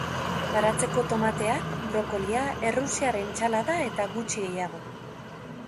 Baratzeko tomateak, brokolia, errusiar entsalada eta gutxi gehiago.